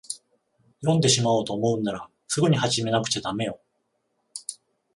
読んでしまおうと思うんなら、すぐに始めなくちゃだめよ。